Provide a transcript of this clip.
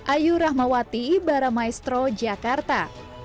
ayu rahmawati ibaramaestro jakarta